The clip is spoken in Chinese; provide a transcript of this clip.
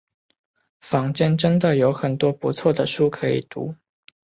坊间真的有很多不错的书可以读